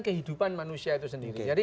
kehidupan manusia itu sendiri